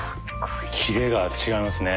キレが違いますね。